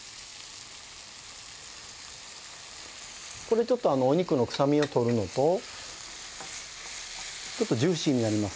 これちょっとお肉のくさみを取るのとちょっとジューシーになります